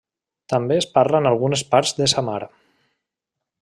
També es parla en algunes parts de Samar.